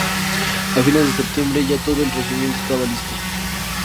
A fines de septiembre ya todo el regimiento estaba listo.